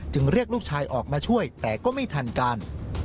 เรียกลูกชายออกมาช่วยแต่ก็ไม่ทันการ